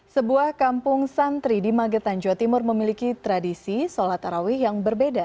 sebuah kampung santri di magetan jawa timur memiliki tradisi sholat tarawih yang berbeda